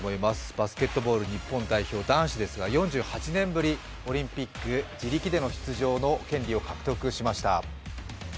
バスケットボール日本代表、男子ですが４８年ぶり、オリンピック、自力での出場の権利を獲得しました。